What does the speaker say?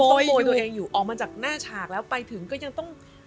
ตัวตัวเองอยู่ออกมาจากหน้าฉากแล้วไปถึงก็ยังต้อง